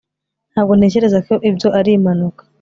ntabwo ntekereza ko ibyo ari impanuka